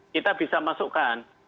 kita bisa masukkan